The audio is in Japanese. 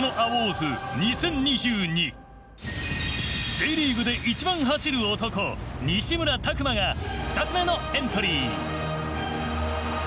Ｊリーグで一番走る男西村拓真が２つ目のエントリー。